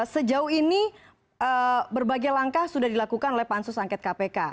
sejauh ini berbagai langkah sudah dilakukan oleh pansus angket kpk